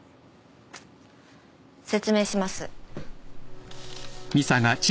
説明します。